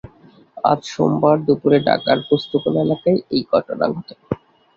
আজ সোমবার দুপুরে ঢাকার পোস্তগোলা এলাকায় এই ঘটনা ঘটে।